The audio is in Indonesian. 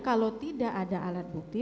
kalau tidak ada alat bukti